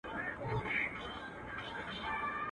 پيشي هم د کېس مېرمن سوه.